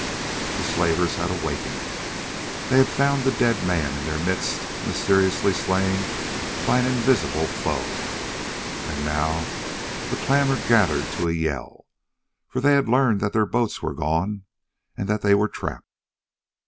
The slavers had awakened, they had found the dead man in their midst mysteriously slain by an invisible foe. And now the clamour gathered to a yell, for they had learned that their boats were gone and that they were trapped.